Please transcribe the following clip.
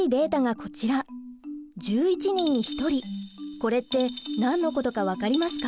これって何のことか分かりますか？